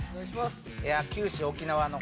九州・沖縄の方